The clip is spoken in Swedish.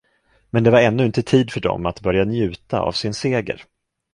Men det var ännu inte tid för dem att börja njuta av sin seger.